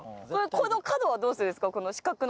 この角はどうするんですか？